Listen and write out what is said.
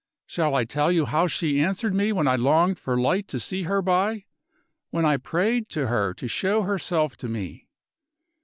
Shall I tell you how she answered me, when I longed for light to see her by, when I prayed to her to show herself to me?